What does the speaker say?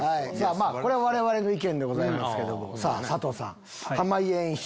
これ我々の意見でございますけどさぁ佐藤さん。